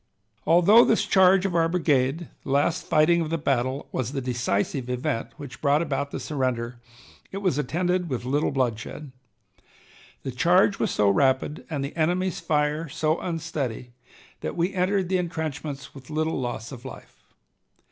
Although this charge of our brigade, the last fighting of the battle, was the decisive event which brought about the surrender, it was attended with little bloodshed. The charge was so rapid and the enemy's fire so unsteady, that we entered the intrenchments with little loss of life.